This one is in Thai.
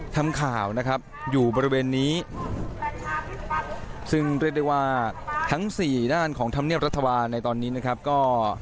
ทำข่าวนะครับอยู่บริเวณนี้ซึ่งเรียกได้ว่าทั้งสี่ด้านของธรรมเนียบรัฐบาลในตอนนี้นะครับก็